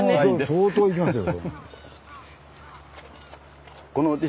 相当いきますよ。